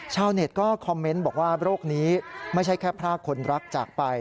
ชาวเน็ตก็คอมเมนต์บอกว่าโรคนี้ไม่ใช่แค่พรากคนรักจากไป